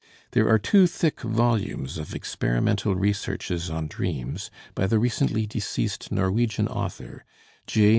There are two thick volumes of experimental researches on dreams by the recently deceased Norwegian author, J.